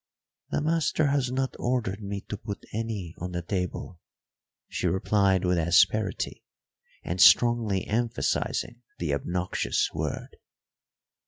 "The master has not ordered me to put any on the table," she replied with asperity, and strongly emphasising the obnoxious word.